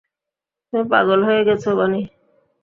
তুমি পাগল হয়ে গেছ, বানি।